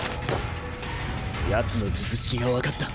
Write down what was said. ヤツの術式が分かった。